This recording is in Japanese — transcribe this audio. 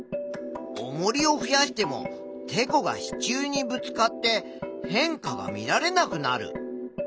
おもりを増やしてもてこが支柱にぶつかって変化が見られなくなる。